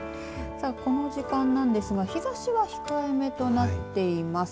さあこの時間ですが日ざしは控えめとなっています。